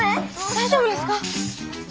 大丈夫ですか？